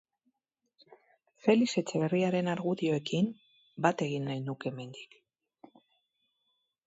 Felix Etxeberriaren argudioekin bat egin nahi nuke hemendik.